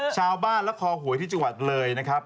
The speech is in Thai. ชาวบ้านและคอหวยที่จังหวัดเลยนะครับ